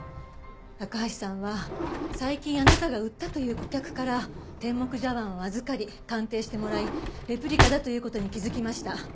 高橋さんは最近あなたが売ったという顧客から天目茶碗を預かり鑑定してもらいレプリカだという事に気づきました。